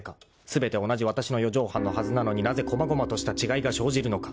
［全て同じわたしの四畳半のはずなのになぜこまごまとした違いが生じるのか？］